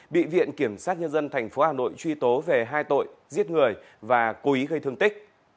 bị viện kiểm sát nhân dân tp hà nội truy tố về hai tội giết người và cố ý gây thương tích